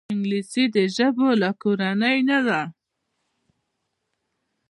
انګلیسي د ژبو له کورنۍ نه ده